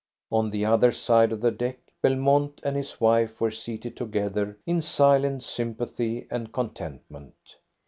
On the other side of the deck Belmont and his wife were seated together in silent sympathy and contentment.